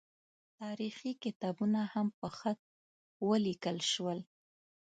تاریخي کتابونه هم په خط ولیکل شول.